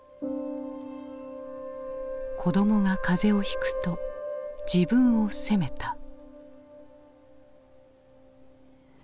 子どもが風邪をひくと自分を責めた。